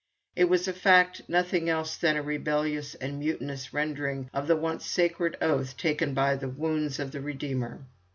It was in fact nothing else than a rebellious and mutinous rendering of the once sacred oath taken by the wounds of the Redeemer.